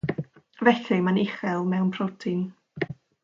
Felly mae'n uchel mewn protein.